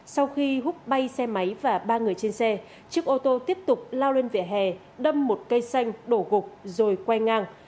sau khi hút bay xe máy và ba người trên xe chiếc ô tô tiếp tục lao lên vỉa hè đâm một cây xanh đổ gục rồi quay ngang